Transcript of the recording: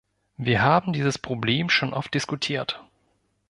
Wir haben dieses Problem schon oft diskutiert.